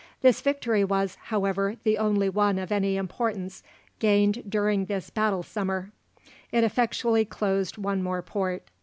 This victory was, however, the only one of any importance gained during this battle summer. It effectually closed one more port.